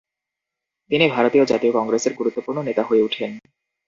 তিনি ভারতীয় জাতীয় কংগ্রেসের গুরুত্বপূর্ণ নেতা হয়ে উঠেন।